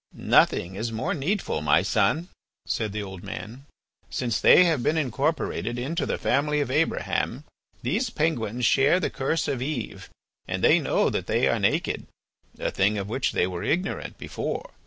"Nothing is more needful, my son," said the old man. "Since they have been incorporated into the family of Abraham these penguins share the curse of Eve, and they know that they are naked, a thing of which they were ignorant before.